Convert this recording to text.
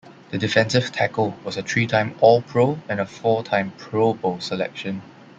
The defensive tackle was a three-time All-Pro and a four-time Pro Bowl selection.